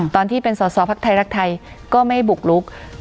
ตอนที่เป็นสอสอพักไทยรักไทยก็ไม่บุกลุก